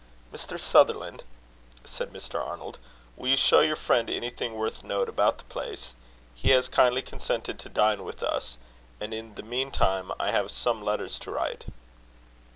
"Mr. Sutherland," said Mr. Arnold, "will you show your friend anything worth note about the place? He has kindly consented to dine with us; and in the meantime I have some letters to write."